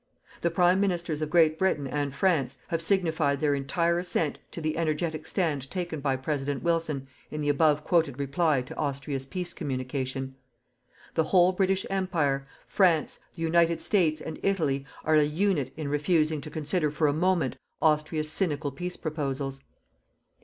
The prime ministers of Great Britain and France have signified their entire assent to the energetic stand taken by President Wilson in the above quoted reply to Austria's peace communication. The whole British Empire, France, the United States and Italy are a unit in refusing to consider for a moment Austria's cynical peace proposals.